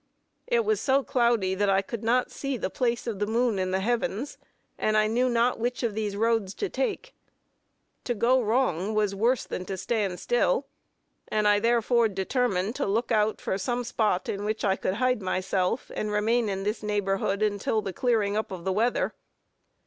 It was so cloudy that I could not see the place of the moon in the heavens, and I knew not which of these roads to take. To go wrong was worse than to stand still, and I therefore determined to look out for some spot in which I could hide myself, and remain in this neighborhood until the clearing up of the weather.